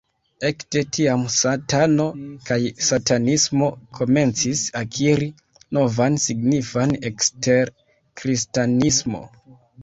Ekde tiam, Satano kaj Satanismo komencis akiri novan signifan ekster Kristanismo.